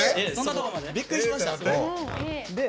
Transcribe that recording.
びっくりしました。